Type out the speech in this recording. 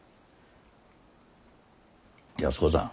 安子さん。